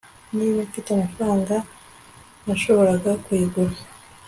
niba mfite amafaranga, nashoboraga kuyigura